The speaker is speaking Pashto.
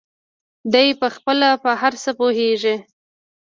دى پخپله په هر څه پوهېږي.